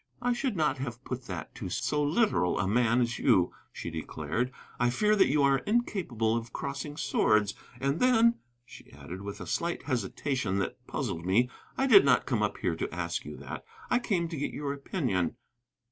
"I should not have put that to so literal a man as you," she declared. "I fear that you are incapable of crossing swords. And then," she added, with a slight hesitation that puzzled me, "I did not come up here to ask you that, I came to get your opinion."